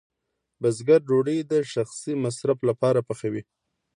بزګر ډوډۍ د شخصي مصرف لپاره پخوي.